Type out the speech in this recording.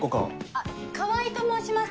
あっ川合と申します。